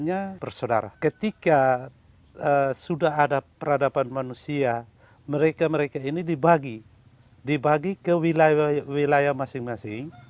ya sudah ada peradaban manusia mereka mereka ini dibagi ke wilayah masing masing